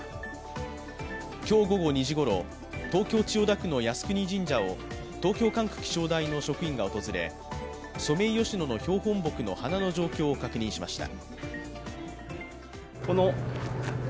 今日午後２時ごろ、東京・千代田区の靖国神社を東京管区気象台の職員が訪れ、ソメイヨシノの標本木の花の状況を確認しました。